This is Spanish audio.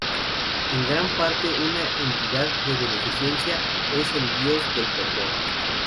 En gran parte una entidad de beneficencia, es el dios del perdón.